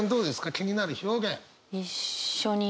気になる表現。